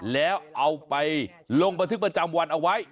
แล้วเอาไปลงบันทึกประจำวันเอาไว้